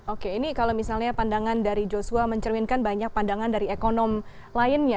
oke ini kalau misalnya pandangan dari joshua mencerminkan banyak pandangan dari ekonom lainnya